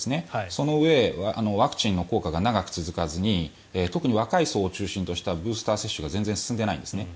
そのうえ、ワクチンの効果が長く続かずに特に若い層を中心としたブースター接種が全然進んでいないんです。